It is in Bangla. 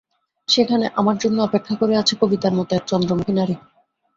সেখানে আমার জন্য অপেক্ষা করে আছে কবিতার মতো এক চন্দ্রমুখী নারী।